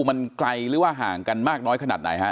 มันไกลหรือว่าห่างกันมากน้อยขนาดไหนฮะ